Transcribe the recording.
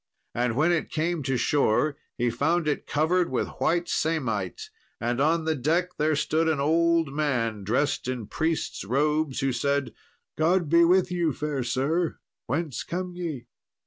And when it came to shore, he found it covered with white samite, and on the deck there stood an old man dressed in priest's robes, who said, "God be with you, fair sir; whence come ye?"